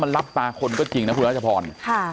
มันรับตาคนก็จริงนะคุณรัชพร